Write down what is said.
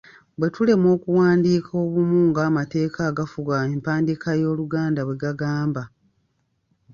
Bwe tulemwa okuwandiika obumu ng’amateeka agafuga empandiika y’Oluganda bwe gagamba.